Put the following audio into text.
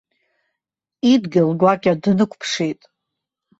Идгьыл гәакьа днықәԥшит.